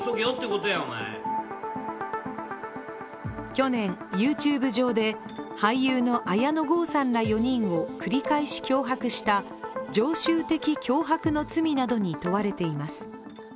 去年、ＹｏｕＴｕｂｅ上で俳優の綾野剛さんら４人を繰り返し脅迫した常習的脅迫の罪などに問われています。